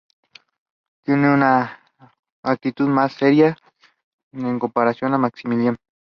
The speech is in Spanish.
Tiene una actitud más seria en comparación con Maximilian.